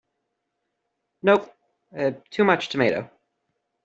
Nope! Too much tomato.